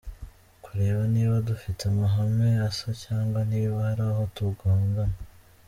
– Kureba niba dufite amahame asa cg niba hari aho tugongana